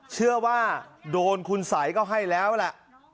เชื่อว่าโดนและคุณสายเขาให้แล้วล่ะ